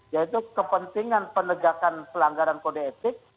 yaitu kepentingan penegakan pelanggaran kode etik